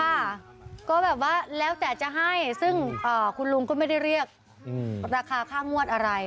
ค่ะก็แบบว่าแล้วแต่จะให้ซึ่งคุณลุงก็ไม่ได้เรียกราคาค่างวดอะไร